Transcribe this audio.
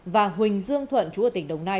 và huỳnh dương thuận chú ở tỉnh đồng nai